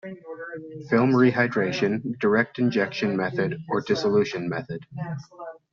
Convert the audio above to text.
Film rehydration, direct injection method or dissolution method.